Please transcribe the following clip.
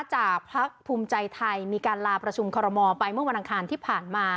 จากพักภูมิใจไทยมีการลาประชุมคอรมอลไปเมื่อวันอังคารที่ผ่านมา